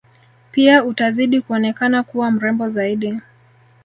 Pia utazidi kuonekana kuwa mrembo zaidi